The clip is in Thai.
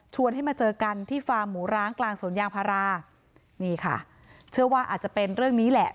ให้มาเจอกันที่ฟาร์มหมูร้างกลางสวนยางพารานี่ค่ะเชื่อว่าอาจจะเป็นเรื่องนี้แหละ